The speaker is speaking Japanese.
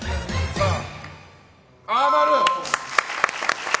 さあ、○！